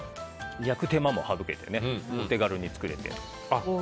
焼く手間も省けてお手軽に作れて。